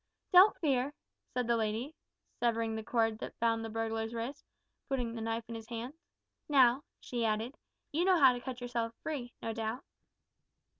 "Don't fear," said the lady, severing the cord that bound the burglar's wrists, and putting the knife in his hands. "Now," she added, "you know how to cut yourself free, no doubt."